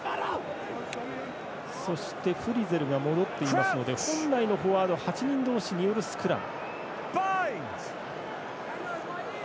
そして、フリゼルが戻っていますので本来のフォワード８人同士によるスクラム。